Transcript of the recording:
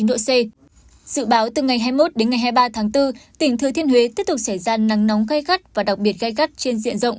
dự báo từ ngày hai mươi một đến ngày hai mươi ba tháng bốn tỉnh thừa thiên huế tiếp tục xảy ra nắng nóng gai gắt và đặc biệt gai gắt trên diện rộng